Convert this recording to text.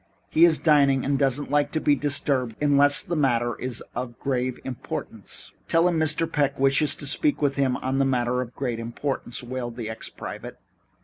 He is dining and doesn't like to be disturbed unless the matter is of grave importance." "Tell him Mr. Peck wishes to speak to him on a matter of very great importance," wailed the ex private.